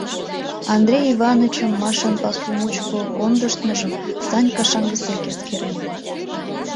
Андрей Иванычым Машан пасу мучко кондыштмыжым Санька шаҥгысек эскерен.